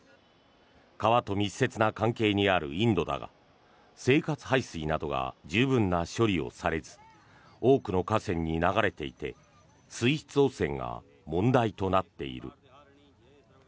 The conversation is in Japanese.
川と密接な関係にあるインドだが生活排水などが十分な処理をされず多くの河川に流れていて水質汚染が問題となっている。